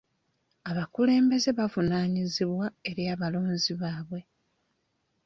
Abakulembeze bavunaanyizibwa eri abaloonzi baabwe .